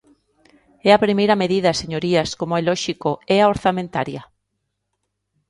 E a primeira medida, señorías, como é lóxico, é a orzamentaria.